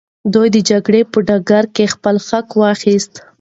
دوی د جګړې په ډګر کي خپل حق واخیست.